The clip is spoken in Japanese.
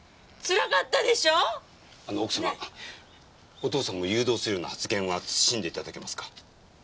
お父様を誘導するような発言は慎んで頂けますか。